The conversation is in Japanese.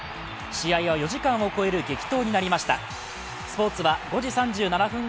試合は４時間を超える激闘となりました。